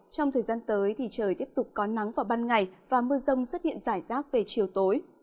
trong thời gian tới thì trời tiếp tục có nắng vào ban ngày và mưa rông xuất hiện rải rác về chiều tối